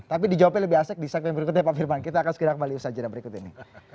tapi dijawabnya lebih asik di segmen berikutnya pak firman kita akan segera kembali usaha jadwal berikut ini